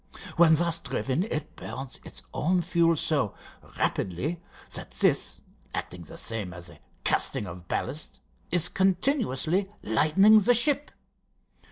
When thus driven it burns its own fuel so rapidly that this, acting the same as the casting of ballast, is continuously lightening the ship.